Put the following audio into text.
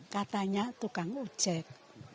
katanya tukang ujek